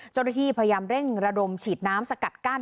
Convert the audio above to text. เจ้าหน้าที่พยายามเร่งระดมฉีดน้ำสกัดกั้น